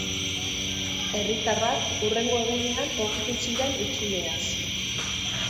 Herritarrak hurrengo egunean ohartu ziren hutsuneaz.